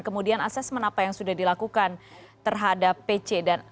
kemudian asesmen apa yang sudah dilakukan terhadap pc